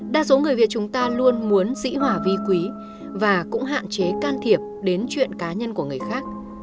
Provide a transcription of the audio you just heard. đa số người việt chúng ta luôn muốn dĩ hòa vi quý và cũng hạn chế can thiệp đến chuyện cá nhân của người khác